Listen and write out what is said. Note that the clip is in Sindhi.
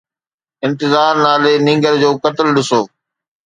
انتظار نالي نينگر جو قتل ڏسو.